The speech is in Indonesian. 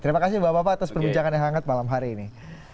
terima kasih bapak bapak atas perbincangan yang hangat malam hari ini